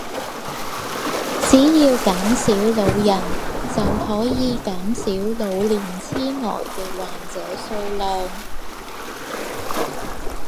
只要減少老人就可以減少老年癡呆嘅患者數量